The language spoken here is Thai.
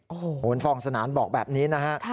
โอ้โหโหนฟองสนานบอกแบบนี้นะฮะ